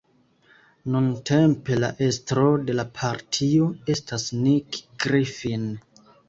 Nuntempe la estro de la partio estas Nick Griffin.